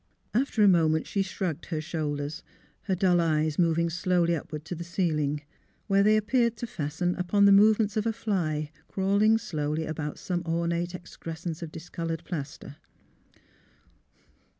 After a moment she shrugged her shoulders, her dull eyes moving slowly upward to the ceil ing, where they appeared to fasten upon the move ments of a fly crawling slowly about some ornate excrescence of discoloured plaster.